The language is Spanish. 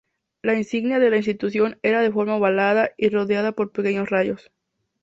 La insignia de la institución era de forma ovalada y rodeada por pequeños rayos.